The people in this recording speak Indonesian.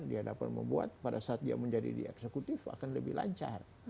dia dapat membuat pada saat dia menjadi di eksekutif akan lebih lancar